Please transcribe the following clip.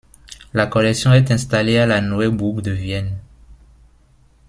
La collection est installée à la Neue Burg de Vienne.